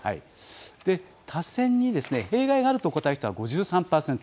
多選に弊害があると答えた人は５３％。